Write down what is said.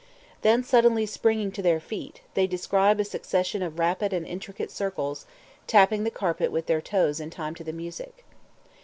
Then suddenly springing to their feet, they describe a succession of rapid and intricate circles, tapping the carpet with their toes in time to the music.